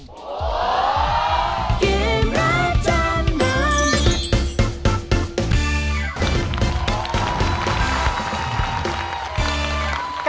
เกมรับจำนำ